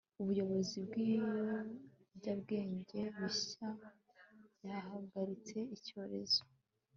ubuyobozi bwibiyobyabwenge bishya byahagaritse icyorezo